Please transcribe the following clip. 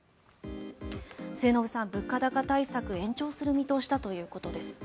末延さん、物価高対策延長する見通しだということです。